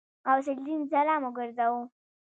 غوث الدين سلام وګرځاوه.